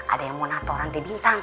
ada yang mau nato rantai bintang